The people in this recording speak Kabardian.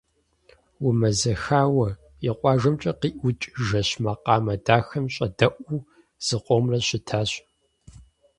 Умэзэхауэ, и къуажэмкӀэ къиӀукӀ жэщ макъамэ дахэм щӀэдэӀуу, зыкъомрэ щытащ.